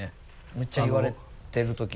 むっちゃ言われてるとき。